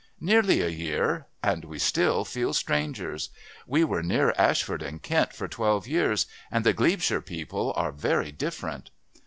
"Nearly a year and we still feel strangers. We were near Ashford in Kent for twelve years, and the Glebeshire people are very different."